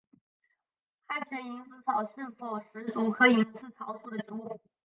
汉城蝇子草是石竹科蝇子草属的植物。